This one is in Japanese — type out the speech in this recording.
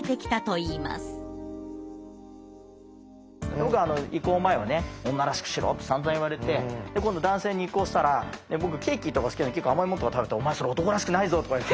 僕移行前はね「女らしくしろ」ってさんざん言われて今度男性に移行したら僕ケーキとか好きなので結構甘いもんとか食べたら「お前それ男らしくないぞ」とか言われて。